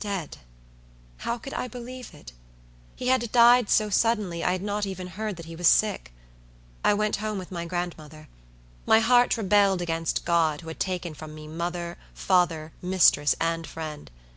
Dead! How could I believe it? He had died so suddenly I had not even heard that he was sick. I went home with my grandmother. My heart rebelled against God, who had taken from me mother, father, mistress, and friend.